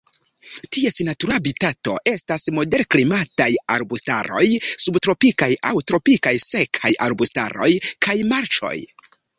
Ties natura habitato estas moderklimataj arbustaroj, subtropikaj aŭ tropikaj sekaj arbustaroj kaj marĉoj.